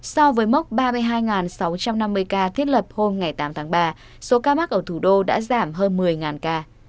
so với mốc ba mươi hai sáu trăm năm mươi ca thiết lập hôm tám tháng ba số ca mắc ở thủ đô đã giảm hơn một mươi ca